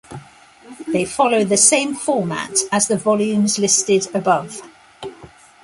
They follow the same format as the volumes listed above.